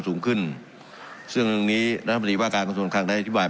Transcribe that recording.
สูงขึ้นซึ่งทั้งนี้รัฐมนตรีว่าการของส่วนคักได้อธิบาย